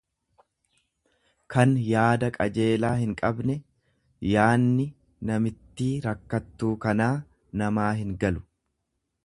kan yaada qajeelaa hinqabne; Yaanni namittii rakkattuu kanaa namaa hingalu.